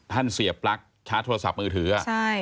เสียปลั๊กชาร์จโทรศัพท์มือถือ